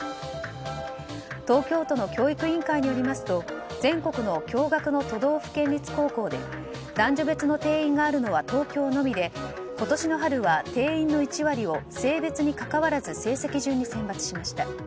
東京都の教育委員会によりますと全国の共学の都道府県立高校で男女別の定員があるのは東京のみで今年の春は定員の１割を性別にかかわらず成績順に選抜しました。